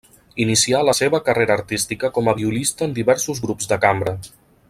Inicià la seva carrera artística com a violista en diversos grups de cambra.